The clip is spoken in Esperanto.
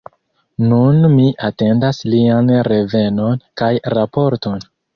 Nun mi atendas lian revenon kaj raporton.